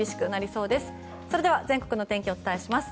それでは全国の天気をお伝えします。